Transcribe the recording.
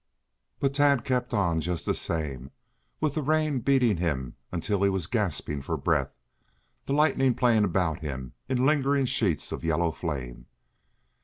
But Tad kept on just the same, with the rain beating him until he was gasping for breath, the lightning playing about him in lingering sheets of yellow flame.